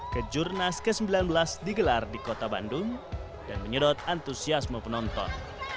kejurnas ke sembilan belas digelar di kota bandung dan menyedot antusiasme penonton